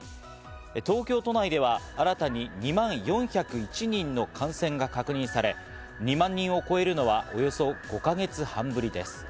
東京都内では新たに２万４０１人の感染が確認され、２万人を超えるのはおよそ５か月半ぶりです。